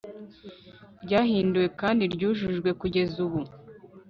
ryahinduwe kandi ryujujwe kugeza ubu